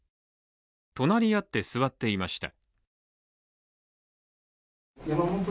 隣り合って座っていました。